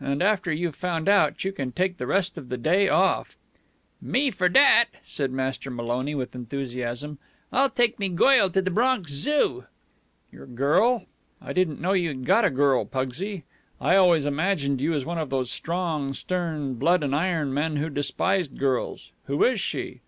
And, after you've found out, you can take the rest of the day off." "Me fer dat," said Master Maloney with enthusiasm. "I'll take me goil to de Bronx Zoo." "Your girl? I didn't know you'd got a girl, Pugsy. I always imagined you as one of those strong, stern, blood and iron men who despised girls. Who is she?"